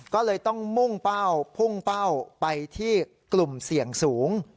ก็เลยต้องมุ่งเป้าพุ่งเป้าไปที่กลุ่มเสี่ยงสูง